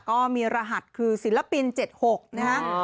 ก็มีรหัสคือศิลปิน๗๖นะฮะ